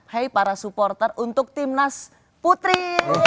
hei para supporter untuk timnas putri